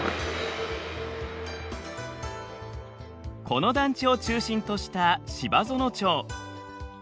この団地を中心とした芝園町。